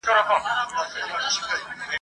او د څښتن مور يې بولي